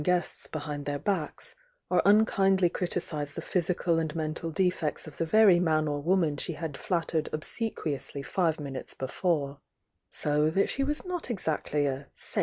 ^^^""^^^''"^^^^'»'■ unkindly cnticise the physical and mental defects of the very man or woman she had flattered obsequiously five minutes before So that she was not ex Jtly a h^